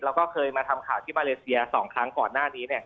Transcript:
แล้วก็เคยมาทำข่าวที่มาเลเซีย๒ครั้งก่อนหน้านี้